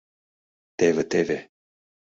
Теве-теве...